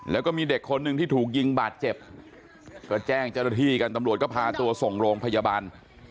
แล้วก็มีเด็กคนหนึ่งที่ถูกยิงบาดเจ็บก็แจ้งเจ้าหน้าที่กันตำรวจก็พาตัวส่งโรงพยาบาล